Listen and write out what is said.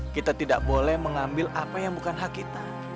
kita tidak boleh mengambil apa yang bukan hak kita